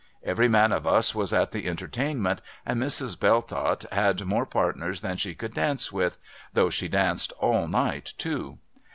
Every man of us was at the entertainment, and Mrs. Belltott had more partners than she could dance with : though she danced all night, too.